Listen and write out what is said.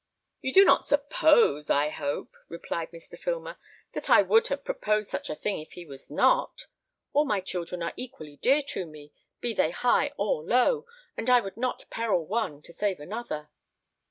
"You do not suppose, I hope," replied Mr. Filmer, "that I would have proposed such a thing if he was not. All my children are equally dear to me, be they high or low, and I would not peril one to save another."